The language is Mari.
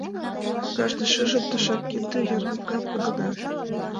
Кажне шыжым тышак кинде ярминга погына.